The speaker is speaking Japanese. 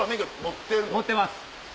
持ってます。